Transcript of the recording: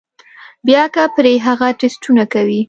بيا کۀ پرې هغه ټسټونه کوي